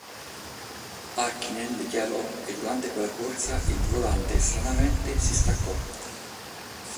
Häkkinen dichiarò che durante quella corsa il volante stranamente si staccò.